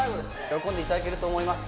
喜んでいただけると思います